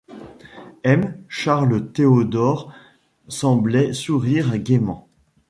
M. Charles Théodore semblait sourire gaiement.